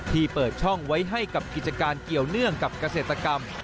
เปิดช่องไว้ให้กับกิจการเกี่ยวเนื่องกับเกษตรกรรม